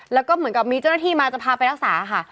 แล้วก็เหมือนกับมีเจ้าหน้าที่มาจะพาไปรักษาค่ะ